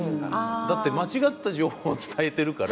だって間違った情報を伝えてるから。